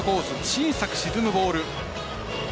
小さく沈むボール。